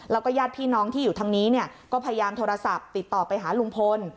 แล้วก็ญาติพี่น้องที่อยู่ทางนี้ก็พยายามโทรศัพท์ติดต่อไปหาลุงพล